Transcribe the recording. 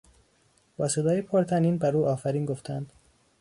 با صدای پر طنین بر او آفرین گفتند.